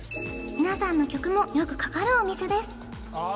皆さんの曲もよくかかるお店ですあー！